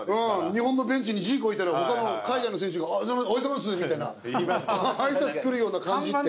日本のベンチにジーコいたら他の海外の選手が「おはようございます！」みたいな挨拶来るような感じって。